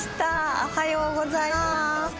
おはようございます。